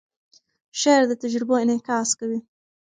شعر د تجربو انعکاس کوي.